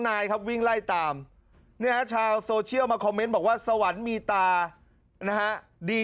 นายครับวิ่งไล่ตามเนี้ยชาวมาบอกว่าสวรรค์มีตานะฮะดี